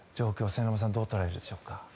末延さんどう捉えるでしょうか。